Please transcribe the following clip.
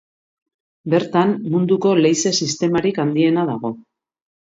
Bertan munduko leize-sistemarik handiena dago.